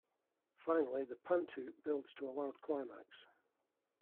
Finally the pant-hoot builds to a loud climax.